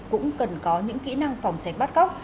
cũng cần có những kỹ năng phòng tránh bắt cóc